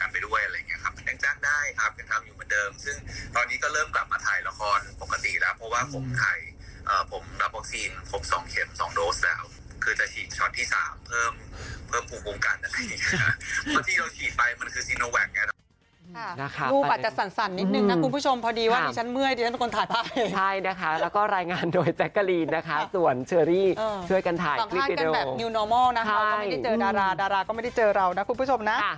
เพราะที่เราขีดไปมันคือซีโนแวคเนี่ย